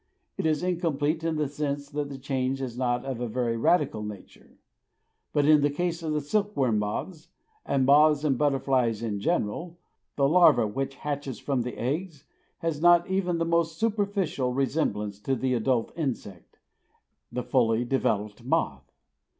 It is incomplete in the sense that the change is not of a very radical nature. But in the case of the silk worm moths, and moths and butterflies in general, the larva which hatches from the eggs has not even the most superficial resemblance to the adult insect, the fully developed moth.